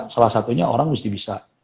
salah satunya orang mesti bisa